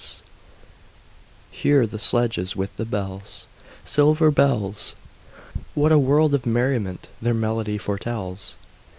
Hear the sledges with the bells— Silver bells! What a world of merriment their melody foretells!